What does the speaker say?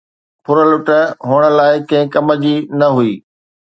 ڦرلٽ هنن لاءِ ڪنهن ڪم جي نه هئي.